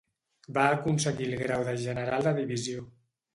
Va aconseguir el grau de general de Divisió.